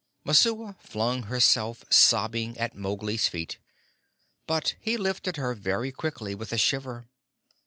Messua flung herself sobbing at Mowgli's feet, but he lifted her very quickly with a shiver.